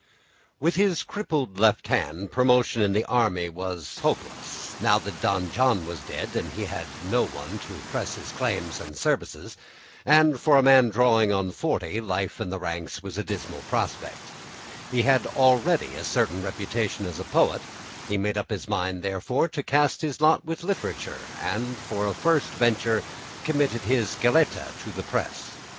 With his crippled left hand promotion in the army was hopeless, now that Don John was dead and he had no one to press his claims and services, and for a man drawing on to forty life in the ranks was a dismal prospect; he had already a certain reputation as a poet; he made up his mind, therefore, to cast his lot with literature, and for a first venture committed his "Galatea" to the press.